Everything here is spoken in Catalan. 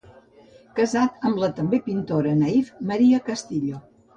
Casat amb la també pintora naïf Maria Castillo.